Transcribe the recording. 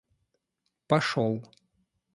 пошел